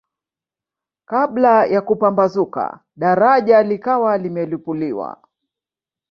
Kabla ya kupambazuka daraja likawa limelipuliwa